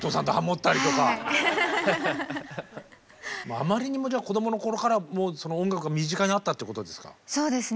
あまりにも子どもの頃から音楽が身近にあったっていうことですか。